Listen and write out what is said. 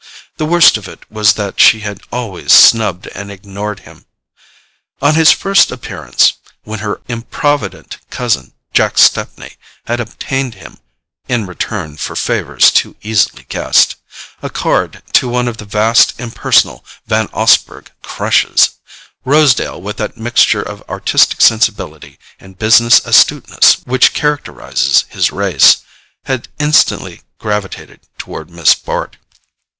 The worst of it was that she had always snubbed and ignored him. On his first appearance—when her improvident cousin, Jack Stepney, had obtained for him (in return for favours too easily guessed) a card to one of the vast impersonal Van Osburgh "crushes"—Rosedale, with that mixture of artistic sensibility and business astuteness which characterizes his race, had instantly gravitated toward Miss Bart.